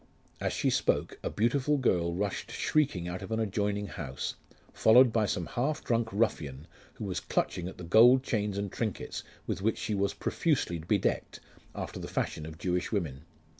As she spoke, a beautiful girl rushed shrieking out of an adjoining house, followed by some half drunk ruffian, who was clutching at the gold chains and trinkets with which she was profusely bedecked, after the fashion of Jewish women.